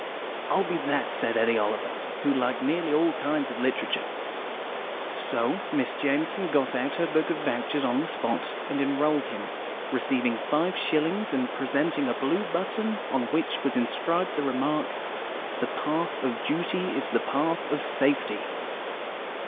"I'll be that," said Eddy Oliver, who liked nearly all kinds of literature. So Miss Jamison got out her book of vouchers on the spot, and enrolled him, receiving five shillings and presenting a blue button on which was inscribed the remark, "The Path of Duty is the Path of Safety."